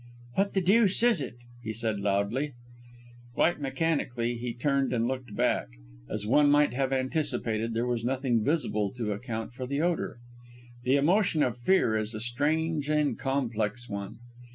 "What the deuce is it!" he said loudly. Quite mechanically he turned and looked back. As one might have anticipated, there was nothing visible to account for the odour. The emotion of fear is a strange and complex one.